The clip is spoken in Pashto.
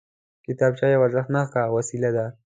کتابچه یوه ارزښتناکه وسیله ده